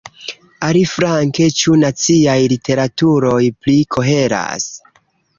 Aliflanke, ĉu naciaj literaturoj pli koheras?